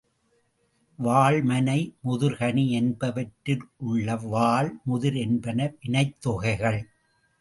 வாழ் மனை, முதிர் கனி என்பவற்றில் உள்ள வாழ், முதிர் என்பன வினைத் தொகைகள்.